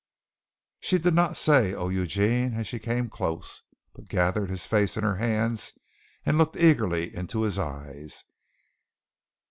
She did not say, "Oh, Eugene!" as she came close, but gathered his face in her hands and looked eagerly into his eyes.